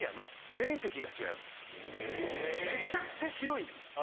めちゃくちゃ広いんですよ。